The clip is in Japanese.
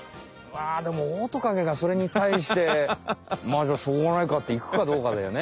でもオオトカゲがそれにたいして「まあじゃあしょうがないか」っていくかどうかだよね。